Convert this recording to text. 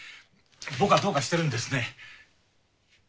僕はどうかしているんですね。